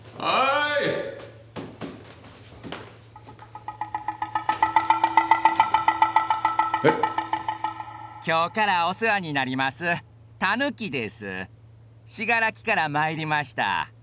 信楽から参りました。